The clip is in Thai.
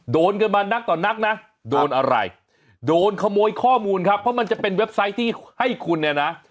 โดนกันมานักต่อนักนะโดนอะไรโดนขโมยข้อมูลครับเพราะมันจะเป็นเว็บไซต์ที่ให้คุณเนี่ยนะ